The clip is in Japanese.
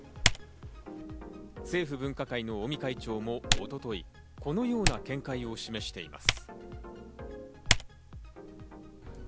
政府分科会の尾身会長も一昨日、このような見解を示しています。